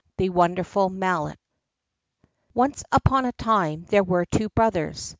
The Wonderful Mallet Once upon a time there were two brothers.